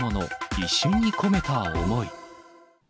一瞬に込めた思い。